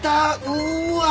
うわ。